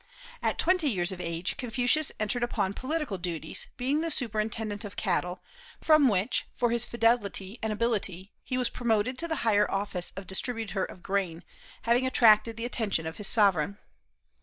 At twenty years of age Confucius entered upon political duties, being the superintendent of cattle, from which, for his fidelity and ability, he was promoted to the higher office of distributer of grain, having attracted the attention of his sovereign.